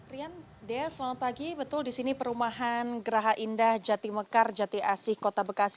rian dea selamat pagi betul di sini perumahan geraha indah jatimekar jati asih kota bekasi